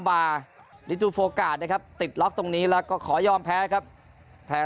บาร์ดิตูโฟกาสนะครับติดล็อกตรงนี้แล้วก็ขอยอมแพ้ครับแพ้